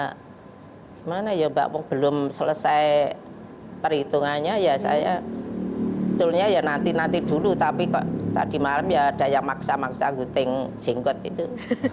gimana ya mbak belum selesai perhitungannya ya saya betulnya ya nanti nanti dulu tapi kok tadi malam ya ada yang maksa maksa guting jenggot itu